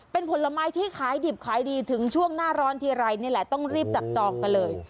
เป็นผลไม้ที่ขายดิบขายดีถึงช่วงหน้าร้อนทีไรนี่แหละต้องรีบจับจองกันเลย